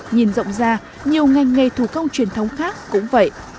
nhìn rộng ra nhiều ngành nghề thủ công truyền thống khác cũng vậy